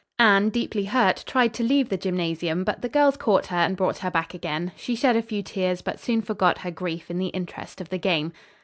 Anne, deeply hurt, tried to leave the gymnasium but the girls caught her, and brought her back again. She shed a few tears, but soon forgot her grief in the interest of the game.